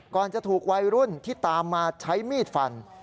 ก่อนจะถูกวัยรุ่นที่ตามมาใช้มีดฟัน